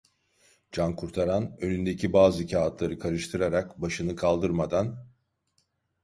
Cankurtaran, önündeki bazı kağıtları karıştırarak, başını kaldırmadan: